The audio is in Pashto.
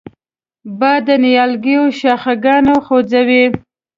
باد د نیالګیو شاخهګان خوځوي